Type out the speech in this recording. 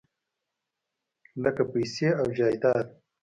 لکه پیسې او جایداد .